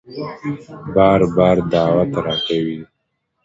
بار بار دعوت راکوي